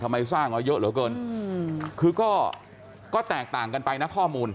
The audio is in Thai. สร้างมาเยอะเหลือเกินคือก็แตกต่างกันไปนะข้อมูล